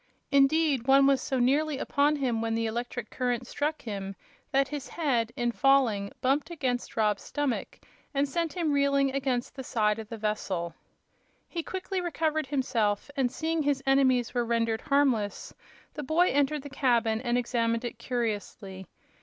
Indeed, one was so nearly upon him when the electric current struck him that his head, in falling, bumped into Rob's stomach and sent him reeling against the side of the vessel. He quickly recovered himself, and seeing his enemies were rendered harmless, the boy entered the cabin and examined it curiously.